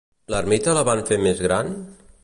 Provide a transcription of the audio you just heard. L'ermita la van fer més gran?